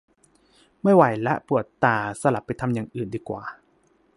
ไม่ไหวละ ปวดตา สลับไปทำอย่างอื่นดีกว่า